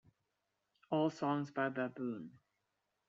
All songs by Baboon.